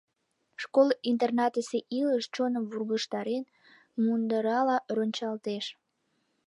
Школ-интернатысе илыш, чоным вургыжтарен, мундырала рончалтеш.